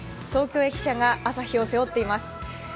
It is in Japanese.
東京駅舎が朝日を背負っています。